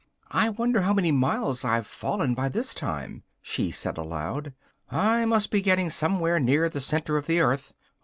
"I wonder how many miles I've fallen by this time?" she said aloud, "I must be getting somewhere near the centre of the earth.